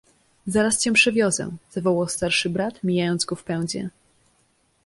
— Zaraz cię przewiozę! — zawołał starszy brat, mijając go w pędzie.